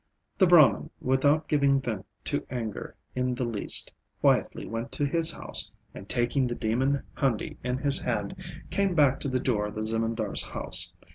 The Brahman, without giving vent to anger in the least, quietly went to his house, and taking the demon handi in his hand, came back to the door of the Zemindar's house.